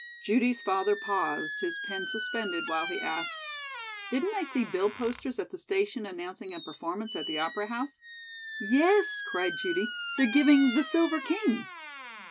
'" Judy's father paused, his pen suspended, while he asked: "Didn't I see bill posters at the station announcing a performance at the Opera House?" "Yes," cried Judy. "They're giving 'The Silver King.'"